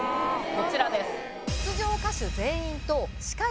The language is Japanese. こちらです。